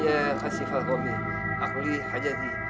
ya allah berikanlah hambamu ini jalan